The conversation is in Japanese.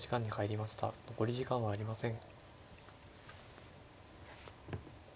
残り時間はありません。